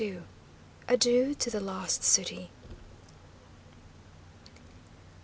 ADIEU TO THE LOST CITY.